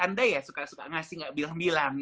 andai ya suka ngasih gak bilang bilang